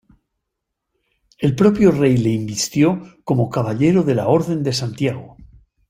El propio rey le invistió como caballero de la Orden de Santiago.